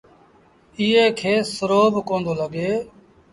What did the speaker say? ايئي کي سرو با ڪوندو لڳي۔